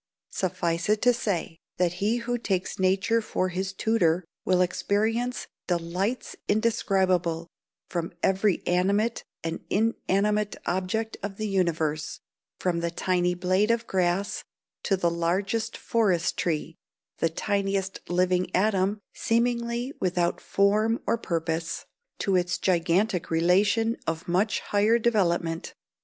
Suffice it to say, that he who takes nature for his tutor will experience delights indescribable from every animate and inanimate object of the universe; from the tiny blade of grass to the largest forest tree the tiniest living atom, seemingly without form or purpose, to its gigantic relation of much higher development.